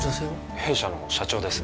弊社の社長です